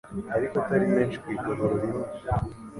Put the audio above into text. ariko atari menshi ku igaburo rimwe.